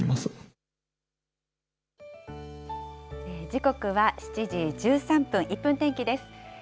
時刻は７時１３分、１分天気です。